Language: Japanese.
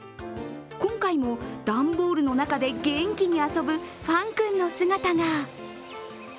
今回も、段ボールの中で元気に遊ぶファン君の姿が。